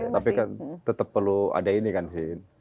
tapi kan tetap perlu ada ini kan sih